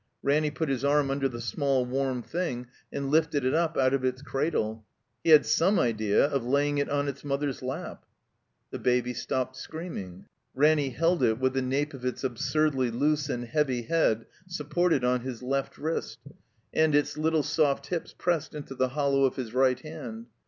Ranny put his arm tmder the small warm thing and lifted it up out of its cradle. He had some idea of laying it on its mother's lap. The Baby stopped screaming. Ranny held it, with the nape of its absurdly loose and heavy head supported on his left wrist, and its little soft hips pressed into the hollow of his right hand.